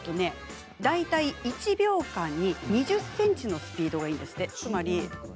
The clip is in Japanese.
大体、１秒間に２０ｃｍのスピードがいいんですって。